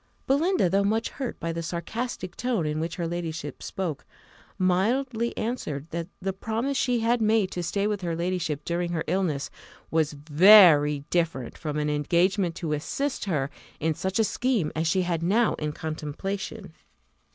Belinda, though much hurt by the sarcastic tone in which her ladyship spoke, mildly answered, that the promise she had made to stay with her ladyship during her illness was very different from an engagement to assist her in such a scheme as she had now in contemplation.